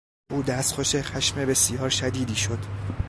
او دستخوش خشم بسیار شدیدی شد.